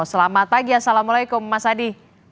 selamat pagi assalamualaikum mas adi